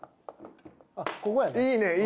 「あっここやね」。